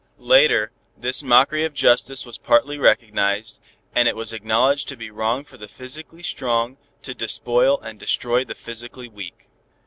Later, this mockery of justice, was partly recognized, and it was acknowledged to be wrong for the physically strong to despoil and destroy the physically weak.